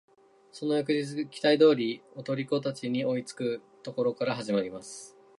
その翌日期待通り踊り子達に追いつく処から始まります。